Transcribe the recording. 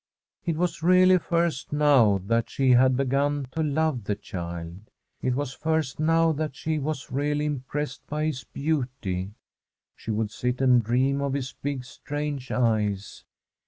It was really first now that she had begun to love the child. It was first now that she was really impressed by his beauty. She would sit and dream of his big, strange eyes.